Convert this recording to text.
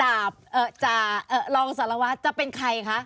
รองสารวัตรจะเป็นใครคะ